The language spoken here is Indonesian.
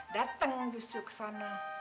dateng justru ke sana